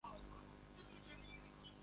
winnie aliamshwa na makelele ya kushangaza